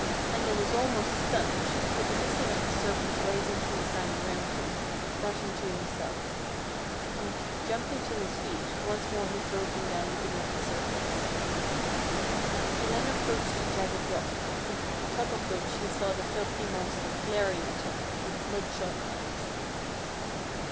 Enda was almost stunned, but the hissing of the serpents rising from the sand around him brought him to himself, and, jumping to his feet, once more he drove them down beneath the surface. He then approached the jagged rock, on the top of which he saw the filthy monster glaring at him with bloodshot eyes.